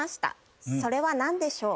それは何でしょう？